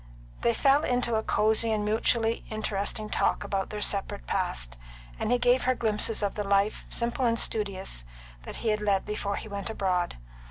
They fell into a cosy and mutually interesting talk about their separate past, and he gave her glimpses of the life, simple and studious, he had led before he went abroad.